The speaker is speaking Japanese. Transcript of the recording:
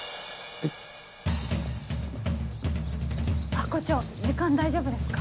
ハコ長時間大丈夫ですか？